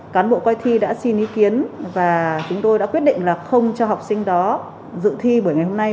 cán bộ coi thi đã xin ý kiến và chúng tôi đã quyết định là không cho học sinh đó dự thi bởi ngày hôm nay